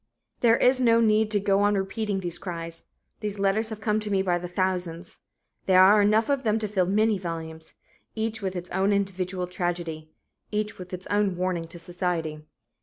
There is no need to go on repeating these cries. These letters have come to me by the thousands. There are enough of them to fill many volumes each with its own individual tragedy, each with its own warning to society.